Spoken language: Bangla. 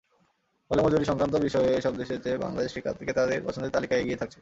ফলে মজুরিসংক্রান্ত বিষয়ে এসব দেশের চেয়ে বাংলাদেশ ক্রেতাদের পছন্দের তালিকায় এগিয়েই থাকছে।